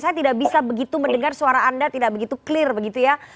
saya tidak bisa begitu mendengar suara anda tidak begitu clear begitu ya